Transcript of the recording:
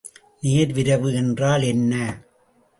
நேர்விரைவு என்றால் என்ன?